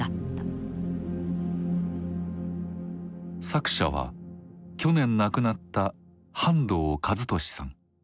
作者は去年亡くなった半藤一利さん。